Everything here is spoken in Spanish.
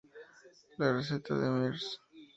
La receta de Mrs.